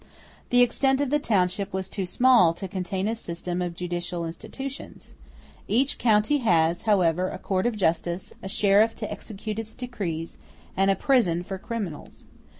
The extent of the township was too small to contain a system of judicial institutions; each county has, however, a court of justice, *f a sheriff to execute its decrees, and a prison for criminals.